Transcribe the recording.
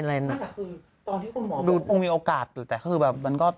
คือตอนที่คุณหมอบอกว่ามีโอกาสแต่คือแบบมันก็